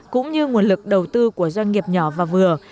cũng như nguồn lực đầu tư của doanh nghiệp nhỏ và vừa